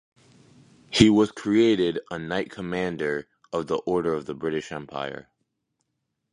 He was created a Knight Commander of the Order of the British Empire.